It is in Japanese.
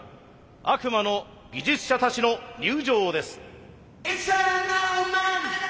悪魔の技術者たちの入場です。